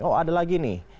oh ada lagi nih